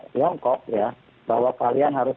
tiongkok ya bahwa kalian harus